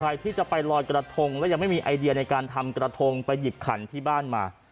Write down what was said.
ใครที่จะไปลอยกระทงแล้วยังไม่มีไอเดียในการทำกระทงไปหยิบขันที่บ้านมา